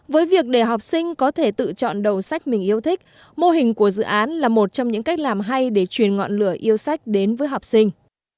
với việc để học sinh có thể tự chọn đầu sách mình yêu thích mô hình của dự án là một trong những cách làm hay để truyền ngọn lửa yêu sách đến với học sinh